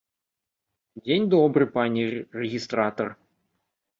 Дзень добры, пане рэгістратар!